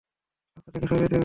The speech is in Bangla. রাস্তা থেকে সরিয়ে দেবে মানে?